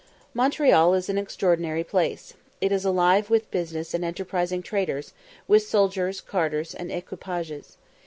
Montreal is an extraordinary place. It is alive with business and enterprising traders, with soldiers, carters, and equipages.